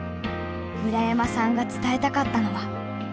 村山さんが伝えたかったのは。